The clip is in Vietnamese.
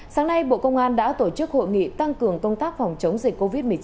sáng nay bộ công an đã tổ chức hội nghị tăng cường công tác phòng chống dịch covid một mươi chín